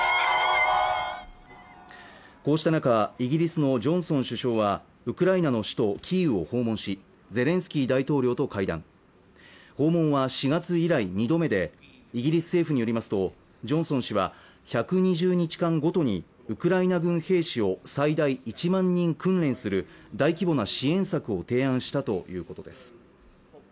こうした中イギリスのジョンソン首相はウクライナの首都キーウを訪問しゼレンスキー大統領と会談訪問は４月以来２度目でイギリス政府によりますとジョンソン氏は１２０日間ごとにウクライナ軍兵士を最大１万人訓練する大規模な支援策を提案したということです